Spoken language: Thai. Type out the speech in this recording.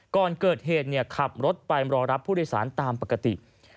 ใต้เหตุขับรถไปรอรับผู้โดยสารตามปกติ